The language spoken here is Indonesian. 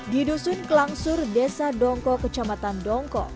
di dusun kelangsur desa dongko kecamatan dongko